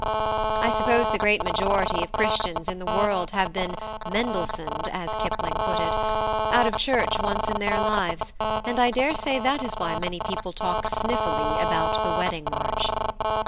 I suppose the great majority of Christians in the world have been "Mendelssohned," as Kipling has it, out of church once in their lives, and I daresay that is why many people talk sniffily about the "Wedding March."